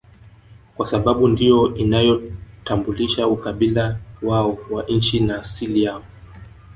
Kwasababu ndio inayotambulisha ukabila wao wa nchi na asili yao